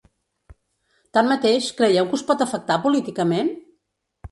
Tanmateix, creieu que us pot afectar políticament?